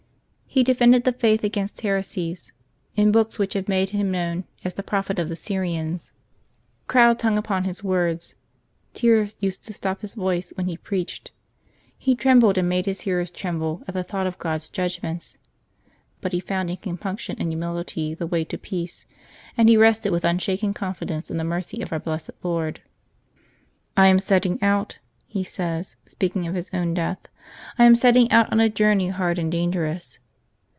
He defended the Faith against heresies, in books which have made him known as the Prophet of the Syrians. Crowds hung upon his words. Tears used to stop his voice when he preached. He trembled and made his hearers tremble ■at the thought of God's judgments; but he found in com punction and humility the way to peace, and he rested with unshaken confidence in the mercy of our blessed Lord. " I am setting out,'' he says, speaking of his own death, " I am setting out on a journey hard and dangerous.